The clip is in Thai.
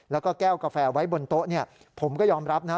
แล้วก็แก้วกาแฟไว้บนโต๊ะเนี่ยผมก็ยอมรับนะ